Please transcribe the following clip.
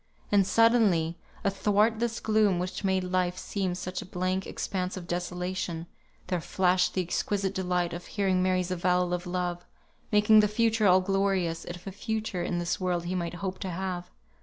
And suddenly, athwart this gloom which made life seem such a blank expanse of desolation, there flashed the exquisite delight of hearing Mary's avowal of love, making the future all glorious, if a future in this world he might hope to have.